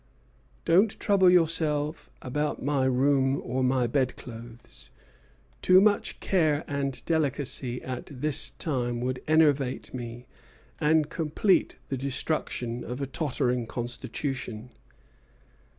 "Don't trouble yourself about my room or my bedclothes; too much care and delicacy at this time would enervate me and complete the destruction of a tottering constitution.